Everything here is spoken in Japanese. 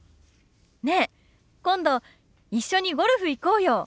ねえ今度一緒にゴルフ行こうよ。